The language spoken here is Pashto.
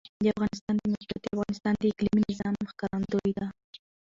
د افغانستان د موقعیت د افغانستان د اقلیمي نظام ښکارندوی ده.